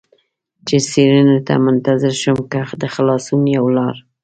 چې څېړنو ته منتظر شم، که د خلاصون یوه لار.